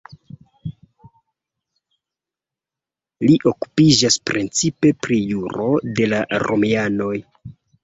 Li okupiĝas precipe pri juro de la romianoj.